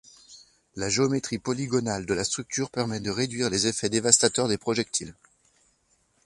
La géométrie polygonale de la structure permet de réduire les effets dévastateurs des projectiles.